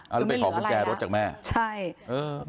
คือไม่เหลืออะไรนะใช่เออ